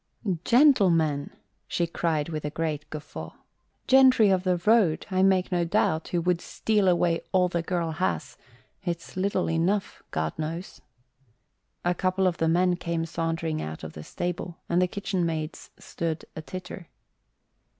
"Gentlemen!" she cried with a great guffaw. "Gentry of the road, I make no doubt, who would steal away all the girl has it's little enough, God knows." A couple of men came sauntering out of the stable and the kitchen maids stood a titter.